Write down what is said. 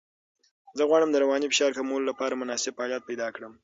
زه غواړم د رواني فشار کمولو لپاره مناسب فعالیت پیدا کړم.